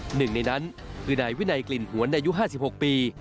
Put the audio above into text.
หนึ่งในนั้นคือนายวินัยกลิ่นหวนอายุ๕๖ปี